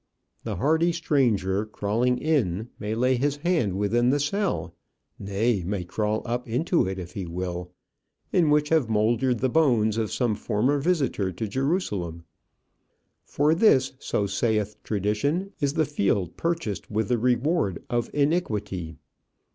The hardy stranger crawling in may lay his hand within the cell nay, may crawl up into it if he will in which have mouldered the bones of some former visitor to Jerusalem. For this, so saith tradition, is the field purchased with the reward of iniquity.